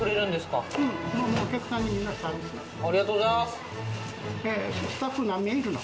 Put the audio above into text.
ありがとうございます！